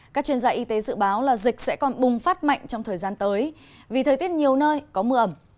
các chuyên gia y tế dự báo là dịch sẽ còn bùng phát mạnh trong thời gian tới vì thời tiết nhiều nơi có mưa ẩm